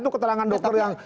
itu keterangan dokter yang